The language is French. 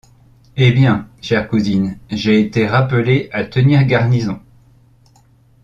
Eh bien! chère cousine, j’ai été rappelé à tenir garnison.